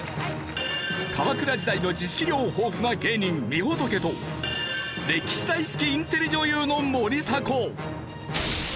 鎌倉時代の知識量豊富な芸人みほとけと歴史大好きインテリ女優の森迫。